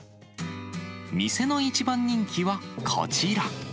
店の一番人気はこちら。